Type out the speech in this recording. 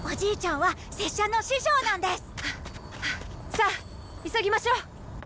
さあ急ぎましょう！